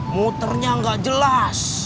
muternya gak jelas